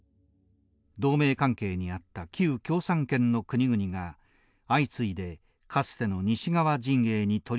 同盟関係にあった旧共産圏の国々が相次いでかつての西側陣営に取り込まれていきました。